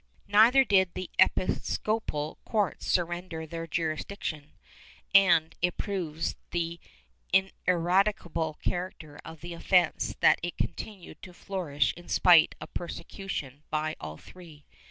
^ Neither did the episcopal courts surrender their jurisdiction, and it proves the ineradicable character of the offence that it continued to flourish in spite of persecution by all three.